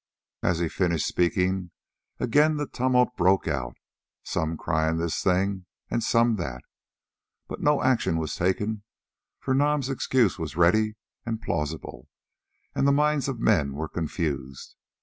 As he finished speaking, again the tumult broke out, some crying this thing and some that. But no action was taken, for Nam's excuse was ready and plausible, and the minds of men were confused.